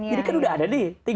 ini kan udah ada nih